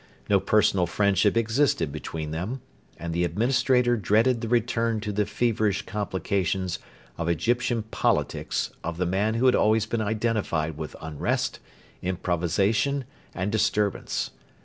No personal friendship existed between them, and the Administrator dreaded the return to the feverish complications of Egyptian politics of the man who had always been identified with unrest, improvisation, and disturbance.